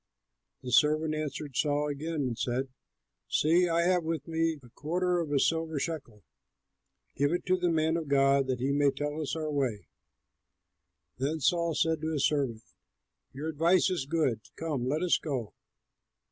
The servant answered Saul again and said, "See, I have with me a quarter of a silver shekel. Give it to the man of God that he may tell us our way." Then Saul said to his servant, "Your advice is good; come, let us go."